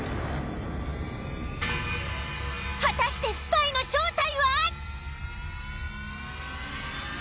果たしてスパイの正体は？